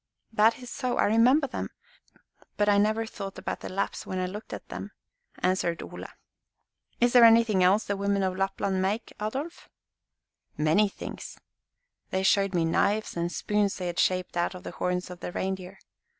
"That is so, I remember them; but I never thought about the Lapps when I looked at them," answered Ole. "Is there anything else the women of Lapland make, Adolf?" "Many things. They showed me knives and spoons they had shaped out of the horns of the reindeer.